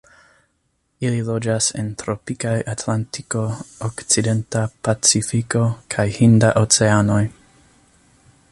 Ili loĝas en tropikaj Atlantiko, okcidenta Pacifiko kaj Hinda Oceanoj.